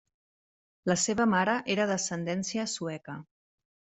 La seva mare era d'ascendència sueca.